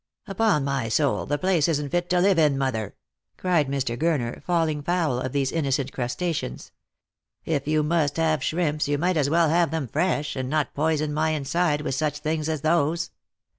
" Upon my soul, the place isn't fit to live in, mother," cried Mr. Gurner, falling foul of these innocent crustaceans. " If you must have shrimps, you might as well have them fresh, and not poison my inside with such things as those."